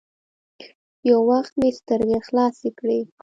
يو وخت مې سترګې خلاصې کړې.